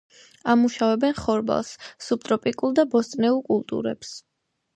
ამუშავებენ ხორბალს, სუბტროპიკულ და ბოსტნეულ კულტურებს.